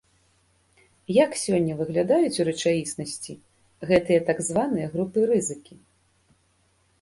Як сёння выглядаюць у рэчаіснасці гэтыя так званыя групы рызыкі?